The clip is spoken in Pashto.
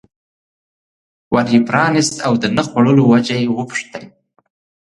ور یې پرانست او د نه خوړلو وجه یې وپوښتل.